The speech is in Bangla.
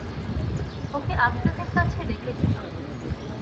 ওকে আপনাদের কাছে রেখে গেলাম।